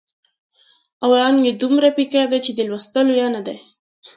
او رنګ یې دومره پیکه دی چې د لوستلو نه دی.